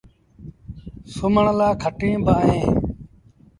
سُومڻ لآ کٽيٚن با اوهيݩ۔